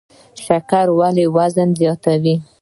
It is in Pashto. شکر ولې وزن زیاتوي؟